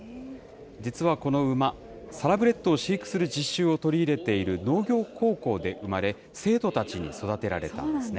実はこの馬、サラブレットを飼育する実習を取り入れている農業高校で生まれ、生徒たちに育てられたんですね。